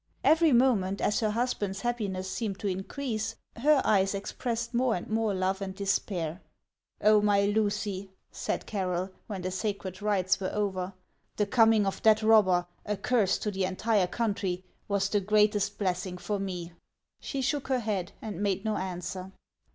Every moment, as her husband's happiness seemed to in crease, her eyes expressed more and more love and despair. " Oh, my Lucy," said Carroll, when the sacred rites were over, " the coming of that robber, a curse to the entire country, was the greatest blessing for me !" HANS OF ICELAND. 191 She shook her head, and made no answer.